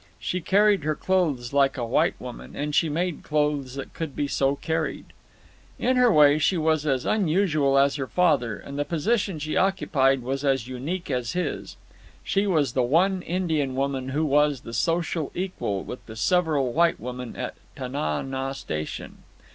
She carried her clothes like a white woman, and she made clothes that could be so carried. In her way she was as unusual as her father, and the position she occupied was as unique as his. She was the one Indian woman who was the social equal with the several white women at Tana naw Station.